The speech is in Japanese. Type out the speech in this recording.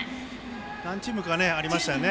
何チームかありましたよね。